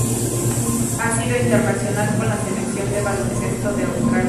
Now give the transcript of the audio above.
Ha sido internacional con la Selección de baloncesto de Australia.